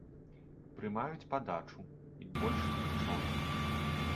Прымаюць падачу, і больш нічога.